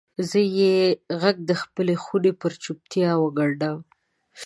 زه به یې ږغ دخپلې خونې پر چوپتیا وګنډم